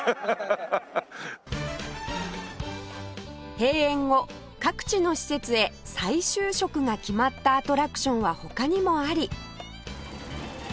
閉園後各地の施設へ再就職が決まったアトラクションは他にもあり